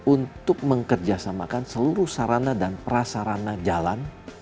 untuk mengkerjasamakan seluruh sarana dan prasarana jalan